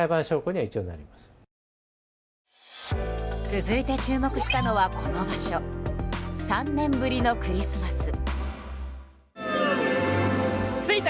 続いて注目したのは、この場所３年ぶりのクリスマス。